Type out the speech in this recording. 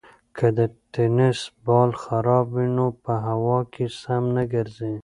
که د تېنس بال خراب وي نو په هوا کې سم نه ګرځي.